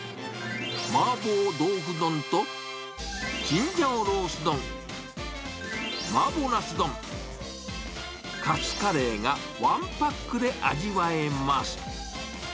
マーボー豆腐丼とチンジャオロース丼、マーボーナス丼、カツカレーがワンパックで味わえます。